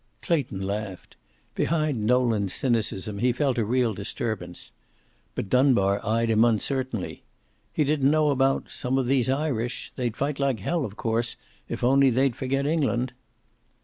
Clayton laughed. Behind Nolan's cynicism he felt a real disturbance. But Dunbar eyed him uncertainly. He didn't know about some of these Irish. They'd fight like hell, of course, if only they'd forget England.